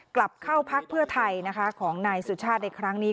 กลับเข้าพักเพื่อไทยนะคะของนายสุชาติในครั้งนี้